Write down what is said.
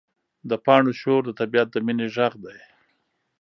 د پاڼو شور د طبیعت د مینې غږ دی.